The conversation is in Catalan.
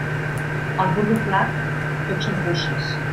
Al burro flac, tot són puces.